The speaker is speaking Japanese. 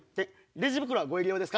レジ袋はご入り用ですか？